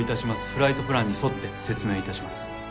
フライトプランに沿って説明致します。